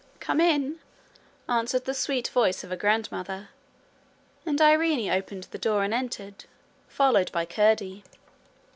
'Come in,' answered the sweet voice of her grandmother, and Irene opened the door and entered, followed by Curdie.